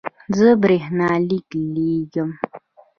زه برېښنالیک لیږم